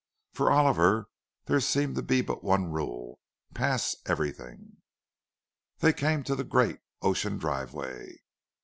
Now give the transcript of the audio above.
For Oliver there seemed to be but one rule,—pass everything. They came to the great Ocean Driveway.